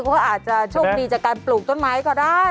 เพราะอาจจะโชคดีจากการปลูกต้นไม้ก็ได้